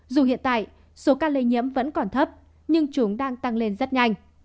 dù hiện tại số ca lây nhiễm vẫn còn thấp nhưng chúng đang tăng lên rất nhanh